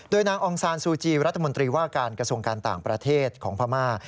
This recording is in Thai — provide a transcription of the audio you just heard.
โดยนางองซานซูจีรัฐมนตรีว่าการกระทรวงการต่างประเทศของพม่า